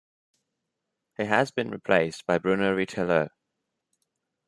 He has been replaced by Bruno Retailleau.